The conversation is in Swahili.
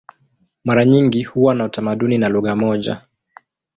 Mara nyingi huwa na utamaduni na lugha moja.